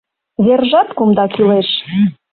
Вержат кумда кӱлеш: